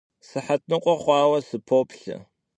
Sıhet nıkhue xhuaue sıppoplhe.